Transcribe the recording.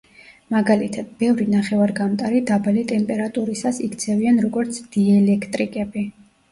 მაგალითად, ბევრი ნახევარგამტარი დაბალი ტემპერატურისას იქცევიან როგორც დიელექტრიკები.